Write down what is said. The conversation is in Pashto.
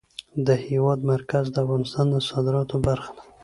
د هېواد مرکز د افغانستان د صادراتو برخه ده.